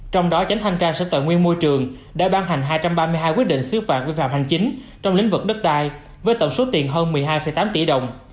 trong đó tránh thanh tra sở tài nguyên môi trường đã ban hành hai trăm ba mươi hai quyết định xứ phạm vi phạm hành chính trong lĩnh vực đất đai với tổng số tiền hơn một mươi hai tám tỷ đồng